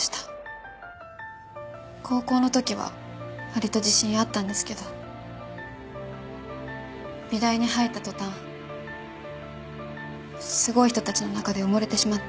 高校の時は割と自信あったんですけど美大に入った途端すごい人たちの中で埋もれてしまって。